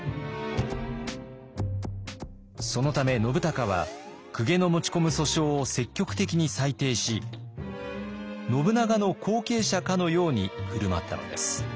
そのため信孝は公家の持ち込む訴訟を積極的に裁定し信長の後継者かのように振る舞ったのです。